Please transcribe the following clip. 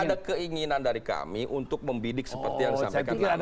ada keinginan dari kami untuk membidik seperti yang disampaikan tadi